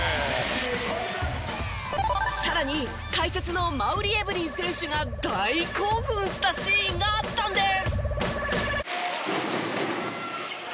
さらに解説の馬瓜エブリン選手が大興奮したシーンがあったんです。